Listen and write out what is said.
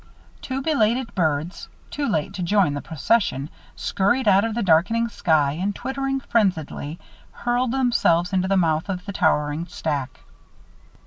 Two belated birds, too late to join the procession, scurried out of the darkening sky, and twittering frenziedly, hurled themselves into the mouth of the towering stack.